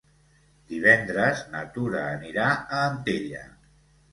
Divendres na Tura anirà a Antella.